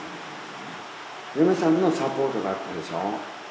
嫁さんのサポートがあったでしょ。